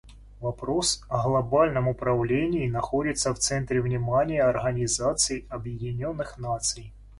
Вопрос о глобальном управлении находится в центре внимания Организации Объединенных Наций.